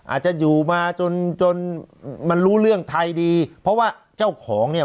อาจจะอยู่มาจนจนมันรู้เรื่องไทยดีเพราะว่าเจ้าของเนี่ย